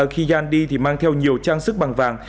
khi yann đi thì mang theo nhiều trang sức bằng vàng